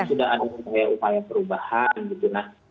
sudah ada upaya upaya perubahan gitu